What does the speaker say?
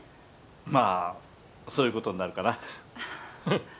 まあそういうことになるかな